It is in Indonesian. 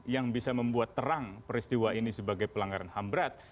yang bisa membuat terang peristiwa ini sebagai pelanggaran hambrat